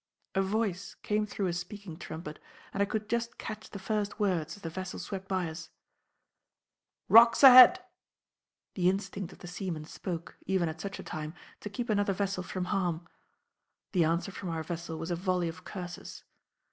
A voice came through a speaking trumpet, and I could just catch the first words as the vessel swept by us: "Rocks ahead!" The instinct of the seaman spoke, even at such a time, to keep another vessel from harm. The answer from our vessel was a volley of curses.